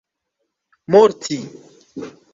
morti